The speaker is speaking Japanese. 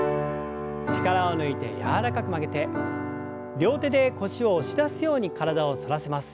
力を抜いて柔らかく曲げて両手で腰を押し出すように体を反らせます。